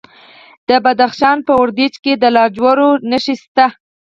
د بدخشان په وردوج کې د لاجوردو نښې شته.